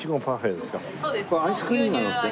アイスクリームがのってる？